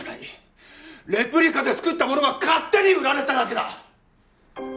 レプリカでつくったものが勝手に売られただけだ！